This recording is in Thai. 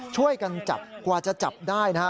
ช่วยกันจับกว่าจะจับได้นะฮะ